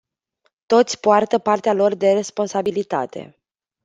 Toți poartă partea lor de responsabilitate.